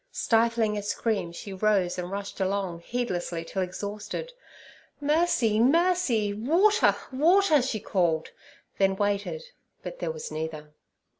Stifling a scream, she rose and rushed along heedlessly till exhausted. 'Mercy! mercy! Water! water!' she called, then waited, but there was neither.